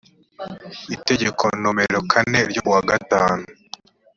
itegeko nomero kane ryo kuwa gatanu